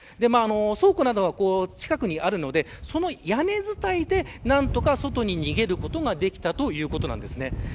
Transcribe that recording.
倉庫などが近くにあるので屋根づたいで何とか逃げることができたということです。